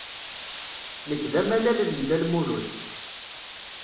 Nekk d amalal n Dda Lmulud.